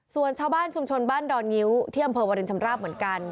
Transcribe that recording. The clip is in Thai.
ส่วนชาวบ้านชมชนบ้านดอลไง้วที่อำเภรษฐ์วรินทรรภ์เหมือนกัน